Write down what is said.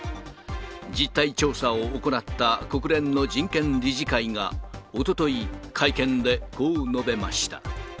実態調査を行った国連の人権理事会が、おととい、会見でこう述べました。